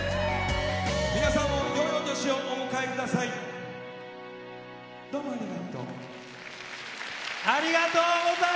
皆さんもよいお年をお迎えください。